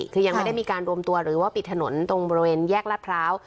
คือยังไม่ได้มีการรวมตัวหรือว่าปิดถนนตรงบริเวณแยกรัฐพร้าว